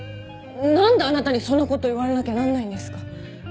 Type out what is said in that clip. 何であなたにそんなこと言われなきゃなんないんですか？